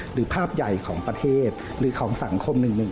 หรือภาพใหญ่ของประเทศหรือของสังคม๑๑๒